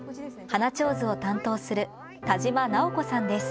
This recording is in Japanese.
花ちょうずを担当する田島直子さんです。